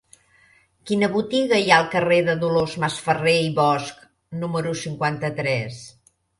Quina botiga hi ha al carrer de Dolors Masferrer i Bosch número cinquanta-tres?